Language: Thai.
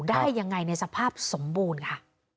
ได้ยังไงในสภาพสมบูรณ์ค่ะ